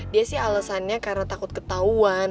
dia sih alesannya karena takut ketauan